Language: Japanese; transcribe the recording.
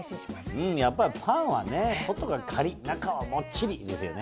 うんやっぱりパンはね外がカリっ中はもっちりですよね。